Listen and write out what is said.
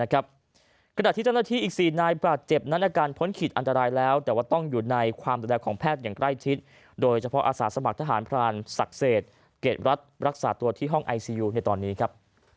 ขณะที่เจ้าหน้าที่อีก๔นายบาดเจ็บนั้นอาการพ้นขีดอันตรายแล้วแต่ว่าต้องอยู่ในความดูแลของแพทย์อย่างใกล้ชิดโดยเฉพาะอาสาสมัครทหารพรานศักดิ์เศษเกรดรัฐรักษาตัวที่ห้องไอซียูในตอนนี้ครับ